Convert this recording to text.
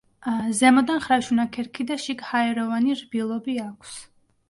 ზემოდან ხრაშუნა ქერქი და შიგ ჰაეროვანი რბილობი აქვს.